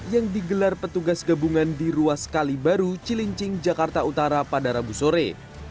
yang digelar petugas gabungan di ruas kalibaru cilincing jakarta utara pada rabu sore